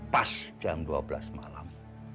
pas jam dua belas malam